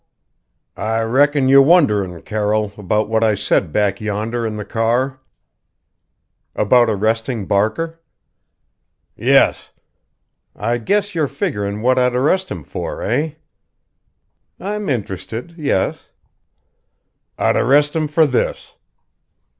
"I reckon you're wonderin', Carroll, about what I said back yonder in the car?" "About arresting Barker?" "Yes. I guess you're figuring what I'd arrest him for, eh?" "I'm interested yes." "I'd arrest him for this."